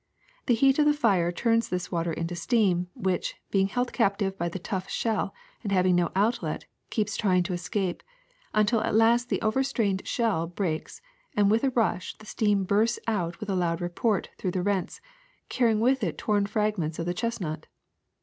The heat of the fire turns this water into steam, which, being held captive by the tough shell and having no outlet, keeps trying to escape, until at last the overstrained shell breaks and with a rush the steam bursts out with a loud re port through the rents, carrying with it torn frag ments of the chestnut.